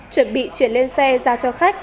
chuẩn bị chuyển lên xe ra cho khách